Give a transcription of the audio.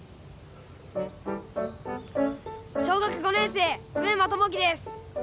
小学５年生上間友輝です。